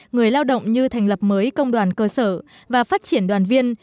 người lao động như thành lập mới công đoàn cơ sở và phát triển đoàn viên